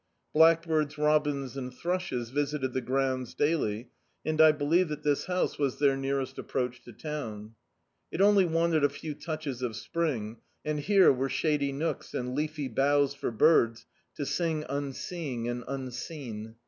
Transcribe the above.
Blackbirds, robins, and thrushes visited the grounds daily; and I believe that this house was their nearest approach to towiu It only wanted a few touches of Spring, and here were shady nooks, and leafy bou^ for birds to ^ng unseeing and unseen.